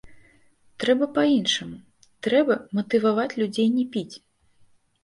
Трэба па-іншаму, трэба матываваць людзей не піць.